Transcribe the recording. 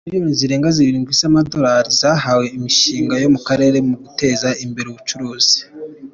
Miliyoni zirenga Zirindwi z’Amadorari zahawe imishinga yo mu Karere mu guteza imbere ubucuruzi